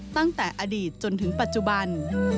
ตั้งแต่อดีตจนถึงปัจจุบัน